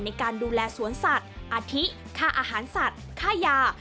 ในการดูแลสวนสัตว์อาทิค่าอาหารสัตว์ค่ายา